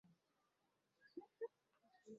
wenye postikodi namba thelathini na moja